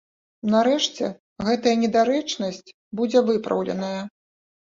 Нарэшце гэтая недарэчнасць будзе выпраўленая.